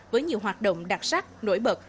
với nhiều hoạt động đặc sắc nổi bật